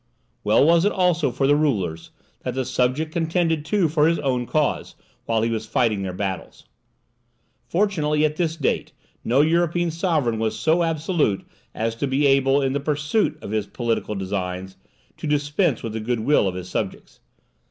Well was it also for the rulers, that the subject contended too for his own cause, while he was fighting their battles. Fortunately at this date no European sovereign was so absolute as to be able, in the pursuit of his political designs, to dispense with the goodwill of his subjects.